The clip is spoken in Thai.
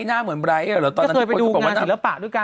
หน้าเหมือนไบร์สตอนนั้นที่ไปดูงานศิลปะด้วยกันนะ